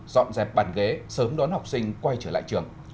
dọn dẹp bàn ghế sớm đón học sinh quay trở lại trường